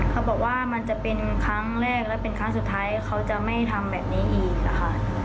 เขาบอกว่ามันจะเป็นครั้งแรกและเป็นครั้งสุดท้ายเขาจะไม่ทำแบบนี้อีกค่ะ